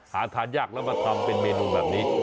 หาทานยากแล้วมาทำเป็นเมนูแบบนี้